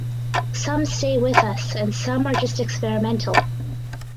Some stay with us and some are just experimental.